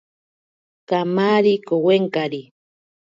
Kamari kowenkari.